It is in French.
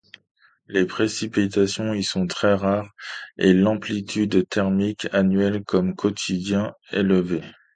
Les précipitations y sont très rares et l'amplitude thermique annuelle comme quotidienne élevée.